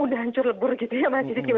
udah hancur lebur gitu ya mas riki